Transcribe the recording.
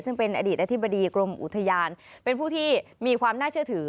ซึ่งเป็นอดีตอธิบดีกรมอุทยานเป็นผู้ที่มีความน่าเชื่อถือ